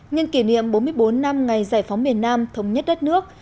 nhân kỷ niệm bốn mươi bốn năm ngày giải phóng miền nam thống nhất đất nước